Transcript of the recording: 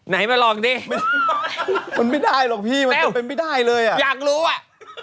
ไหนมาลองดิมันไม่ได้หรอกพี่มันเป็นไม่ได้เลยอ่ะอยากรู้อ่ะ